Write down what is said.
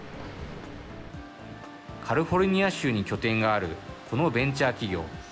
カリフォルニア州に拠点があるこのベンチャー企業。